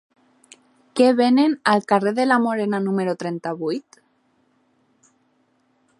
Què venen al carrer de la Morera número trenta-vuit?